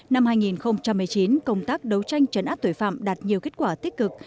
năm hai nghìn một mươi chín công tác đấu tranh chấn áp tội phạm đạt nhiều kết quả tích cực